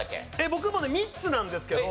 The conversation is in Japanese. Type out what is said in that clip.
僕もね３つなんですけど。